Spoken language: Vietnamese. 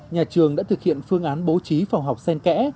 nhà trường đã thực hiện phương án bố trí phòng học sen kẽ